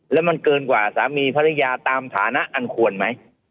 แล้วมันเกินกว่าสามีภรรยาตามฐานะอันควรไหม